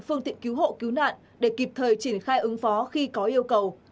phương tiện cứu hộ cứu nạn để kịp thời triển khai ứng phó khi có yêu cầu